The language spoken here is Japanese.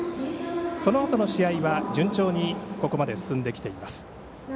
そのあとの試合は順調にここまで進んできています。